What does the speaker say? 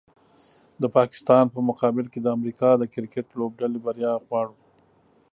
د پاکستان په مقابل کې د امریکا د کرکټ لوبډلې بریا غواړو